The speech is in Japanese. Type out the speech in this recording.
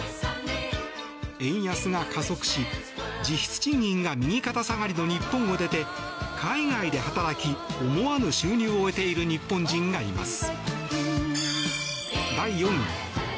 円安が加速し実質賃金が右肩下がりの日本を出て海外で働き思わぬ収入を得ている日本人がいます。